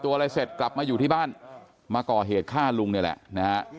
การปล่อยตัวอะไรเสร็จกลับมาอยู่ที่บ้านมาก่อเหตุฆ่าลุงเนี่ยแหละ